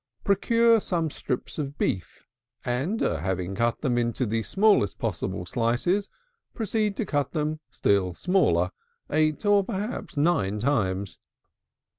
Procure some strips of beef, and, having cut them into the smallest possible slices, proceed to cut them still smaller, eight, or perhaps nine times.